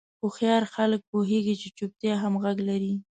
هوښیار خلک پوهېږي چې چوپتیا هم غږ لري.